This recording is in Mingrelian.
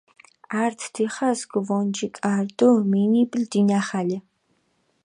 ართ დიხას გჷვონჯი კარი დო მინიბლი დინახალე.